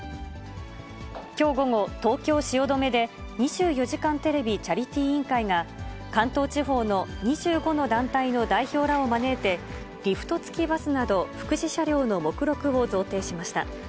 きょう午後、東京・汐留で、２４時間テレビチャリティー委員会が、関東地方の２５の団体の代表らを招いて、リフト付きバスなど、福祉車両の目録を贈呈しました。